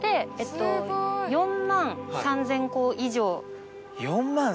４万３０００個以上？